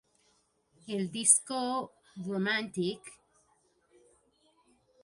El disco "Romantic?